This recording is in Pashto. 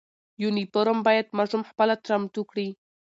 یونیفرم باید ماشوم خپله چمتو کړي.